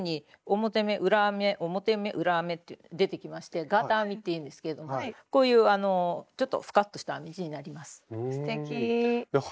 表目裏目って出てきまして「ガーター編み」っていうんですけれどもこういうあのちょっとフカッとした編み地になります。